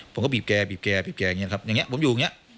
ผมก็บีบแกบีบแกบีบแกอย่างนี้ครับอย่างนี้ผมอยู่อย่างนี้